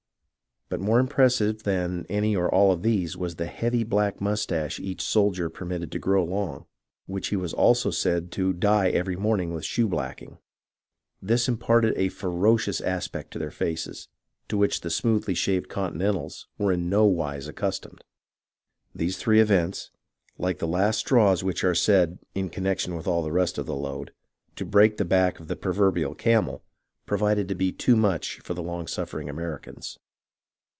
But more impressive than any or all of these was the heavy black mustache each soldier permitted to grow long, which he was also said to dye every morning with shoe blacking. This imparted a ferocious aspect to their faces, to which the smoothly shaved Continentals were in no wise accustomed. These three events, like the last straws which are said (in connection with all the rest of the load) to break the back of the proverbial camel, proved to be too much for the long suffering Americans.